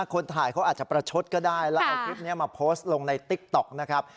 คนถ่ายเขาอาจจะประชดก็ได้แล้วเอาคลิปนี้มาโพสต์ลงในติ๊กต๊อกนะครับ